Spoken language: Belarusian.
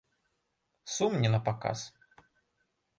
Сум не на паказ.